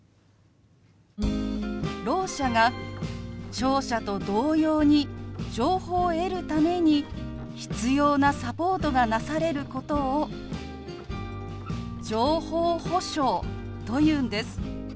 ろう者が聴者と同様に情報を得るために必要なサポートがなされることを「情報保障」というんです。